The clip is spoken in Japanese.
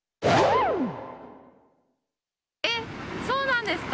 え、そうなんですか！